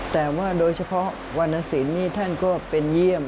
แต่ว่าโดยเฉพาะวรรณสินนี่ท่านก็เป็นเยี่ยม